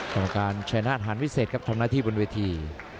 กรรมการชายนาฏหารวิเศษครับทำหน้าที่บนเวที